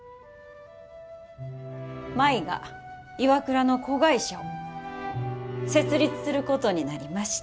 舞がＩＷＡＫＵＲＡの子会社を設立することになりました。